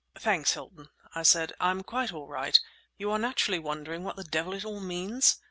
"Thanks, Hilton," I said. "I'm quite all right. You are naturally wondering what the devil it all means?